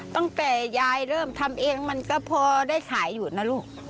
ตั้งแต่ยายเริ่มทำเองมันก็พอได้ขายอยู่นะลูก